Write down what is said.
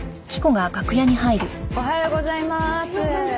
おはようございます。